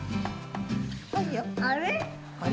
あれ？